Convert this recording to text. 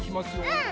うん！